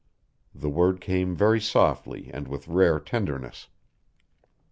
The word came very softly, and with rare tenderness.